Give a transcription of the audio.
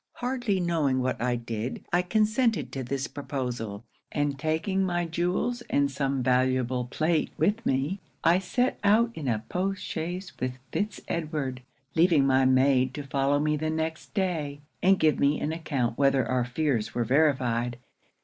Hardly knowing what I did, I consented to this proposal; and taking my jewels and some valuable plate with me, I set out in a post chaise with Fitz Edward, leaving my maid to follow me the next day, and give me an account whether our fears were verified.